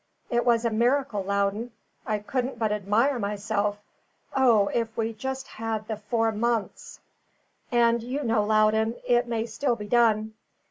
It was a miracle, Loudon. I couldn't but admire myself. O, if we had just the four months! And you know, Loudon, it may still be done.